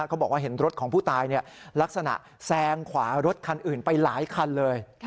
เขาบอกว่าเห็นรถของผู้ตายลักษณะแซงขวารถคันอื่นไปหลายคันเลย